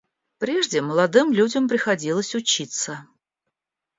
Прежде молодым людям приходилось учиться.